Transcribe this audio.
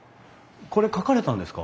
これ描かれたんですか？